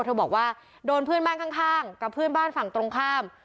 เธอบอกว่าโดนเพื่อนบ้านข้างกับเพื่อนบ้านฝั่งตรงข้าม